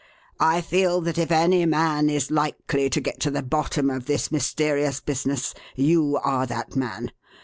"I feel that if any man is likely to get to the bottom of this mysterious business you are that man.